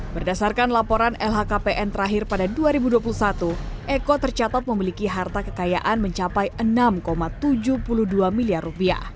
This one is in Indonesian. berdasarkan laporan lhkpn terakhir pada dua ribu dua puluh satu eko tercatat memiliki harta kekayaan mencapai rp enam tujuh puluh dua miliar